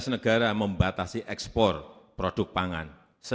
sembilan belas negara membatasi ekspor produk pangan